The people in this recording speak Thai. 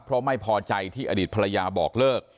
เพราะไม่พอใจที่อดีตภรรยาบอกเลิก